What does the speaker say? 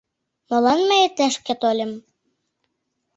Молан мые тышке тольым